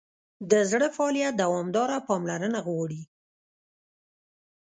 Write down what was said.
د زړه فعالیت دوامداره پاملرنه غواړي.